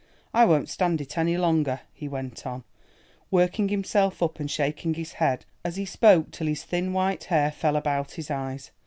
I won't stand it any longer," he went on, working himself up and shaking his head as he spoke till his thin white hair fell about his eyes.